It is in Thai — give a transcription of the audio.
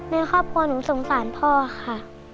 ในครอบครัวหนูสงสารพ่อค่ะ